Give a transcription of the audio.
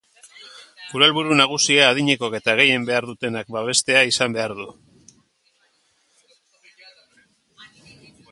Gure helburu nagusia adinekoak eta gehien behar dutenak babestea izan behar du.